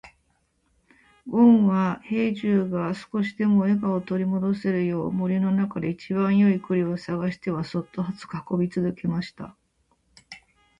ごんは兵十が少しでも笑顔を取り戻せるよう、森の中で一番よい栗を探してはそっと運び続けました。